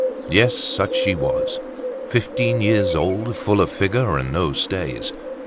Yes, such she was—fifteen years old, full of figure and no stays.